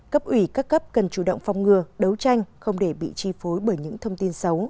cấp ủy các cấp cần chủ động phong ngừa đấu tranh không để bị chi phối bởi những thông tin xấu